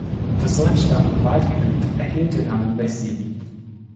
Das so entstandene Waldgebiet erhielt den Namen „Lesy“.